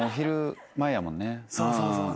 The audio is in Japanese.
そうそうそう。